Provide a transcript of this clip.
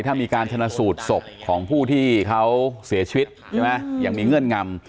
ถ้ามีการชนะสูตรศพของผู้ที่เขาเสียชีวิตใช่ไหมอย่างมีเงื่อนงำ